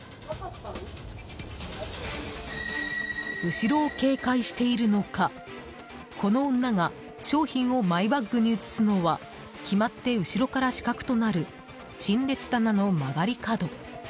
後ろを警戒しているのかこの女が商品をマイバッグに移すのは決まって、後ろから死角となる陳列棚の曲がり角。